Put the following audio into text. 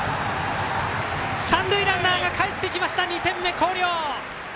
三塁ランナーがかえって２点目、広陵！